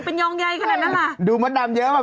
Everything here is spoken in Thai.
พี่หนุ่มโทรมานะครับ